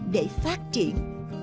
để phát triển